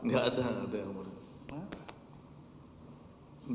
gak ada gak ada yang ngomong